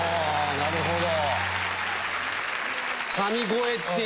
なるほど。